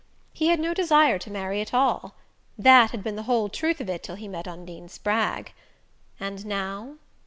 He had no desire to marry at all that had been the whole truth of it till he met Undine Spragg. And now